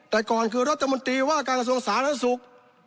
แต่ก่อนคือรัฐมนตรีว่าการกระทรวงสาธารณสุข